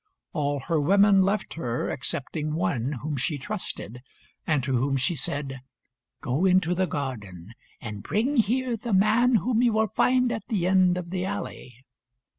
All her women left her excepting one whom she trusted, and to whom she said "Go into the garden, and bring here the man whom you will find at the end of the alley."